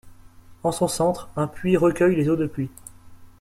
En son centre, un puits recueille les eaux de pluie.